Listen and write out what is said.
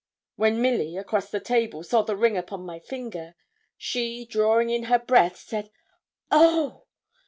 When Milly, across the table, saw the ring upon my finger, she, drawing in her breath, said, 'Oh!'